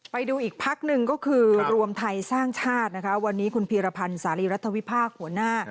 ไปดูอีกพักหนึ่งก็คือรวมไทยสร้างชาตินะคะวันนี้คุณพีรพันธ์สารีรัฐวิพากษ์หัวหน้า